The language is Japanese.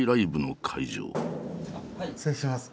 失礼します。